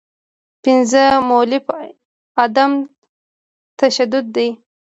پنځمه مولفه عدم تشدد دی.